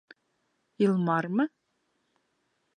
Илмармы?